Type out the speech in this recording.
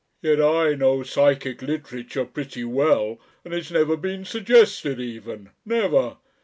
Yet I know psychic literature pretty well, and it's never been suggested even! Never.